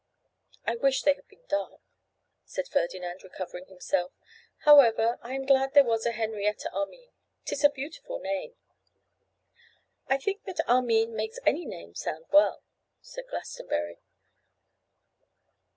'I wish they had been dark,' said Ferdinand recovering himself; 'however, I am glad there was a Henrietta Armine; 'tis a beautiful name.' 'I think that Armine makes any name sound well,' said Glastonbury.